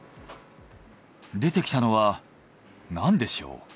出てきたのはなんでしょう？